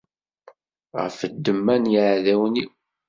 Ɣef ddemma n yiɛdawen-iw.